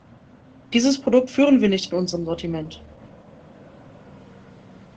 Dieses Produkt führen wir nicht in unserem Sortiment.